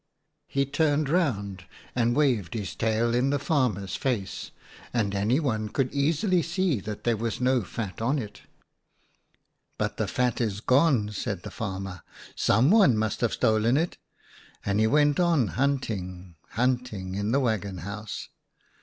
"He turned round and waved his tail in the farmer's face, and anyone could easily see that there was no fat on it. "' But the fat is gone,' said the farmer, 1 someone must have stolen it,' and he went on hunting, hunting in the waggon house.